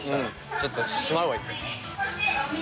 ちょっとしまうわ一回。